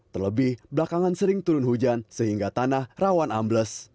terlebih belakangan sering turun hujan sehingga tanah rawan ambles